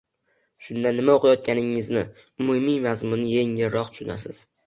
Shunda nima oʻqiyotganingizni, umumiy mazmunni yengilroq tushunasiz